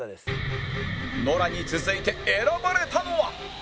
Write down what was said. ノラに続いて選ばれたのは？